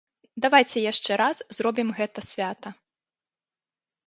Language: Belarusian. Давайце яшчэ раз зробім гэта свята.